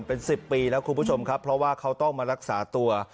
เป็น๑๐ปีแล้วคุณผู้ชมครับเพราะว่าเขาต้องมารักษาตัว